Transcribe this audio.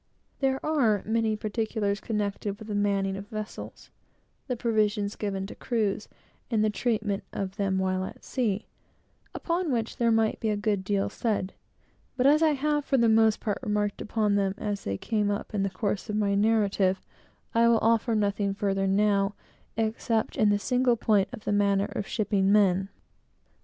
There are many particulars connected with the manning of vessels, the provisions given to crews, and the treatment of them while at sea, upon which there might be a good deal said; but as I have, for the most part, remarked upon them as they came up in the course of my narrative, I will offer nothing further now, except on the single point of the manner of shipping men.